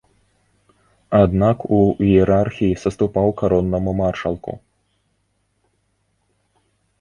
Аднак у іерархіі саступаў кароннаму маршалку.